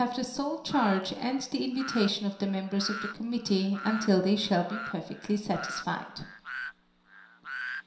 d John Sergeant the invitation of the members of the committee, until they shall be perfectly siitisficd.